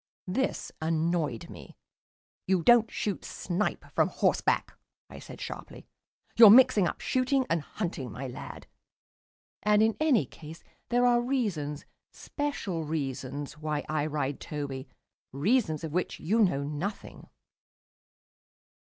This annoyed me. "You don't shoot snipe from horseback," I said sharply. "You're mixing up shooting and hunting, my lad. And in any case there are reasons, special reasons, why I ride Toby reasons of which you know nothing."